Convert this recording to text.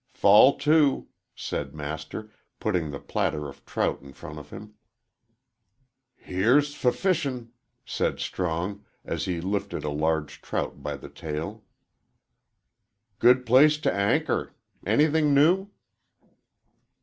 "Fall to," said Master, putting the platter of trout in front of him. "Here's f fishin'," said Strong, as he lifted a large trout by the tail. "Good place to anchor. Anything new?"